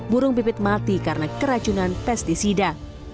burung pipit mati karena keracunan pesticida